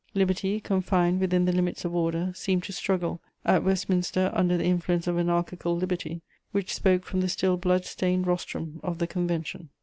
Liberty, confined within the limits of order, seemed to struggle, at Westminster under the influence of anarchical liberty, which spoke from the still blood stained rostrum of the Convention.